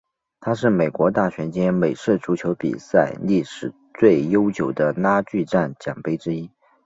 它是美国大学间美式足球比赛历史最悠久的拉锯战奖杯之一。